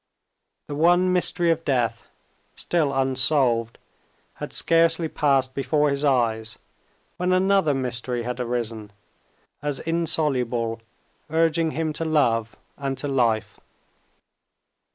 The one mystery of death, still unsolved, had scarcely passed before his eyes, when another mystery had arisen, as insoluble, urging him to love and to life.